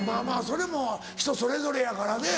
それも人それぞれやからね。